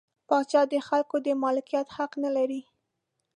پاچا د خلکو د مالکیت حق نلري.